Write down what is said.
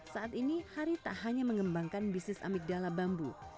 saat ini hari tak hanya mengembangkan bisnis amigdala bambu